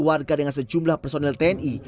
warga dengan sejumlah personil tni